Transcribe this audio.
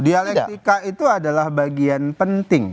dialektika itu adalah bagian penting